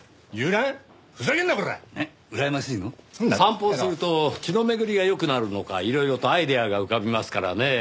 散歩をすると血の巡りが良くなるのかいろいろとアイデアが浮かびますからねぇ。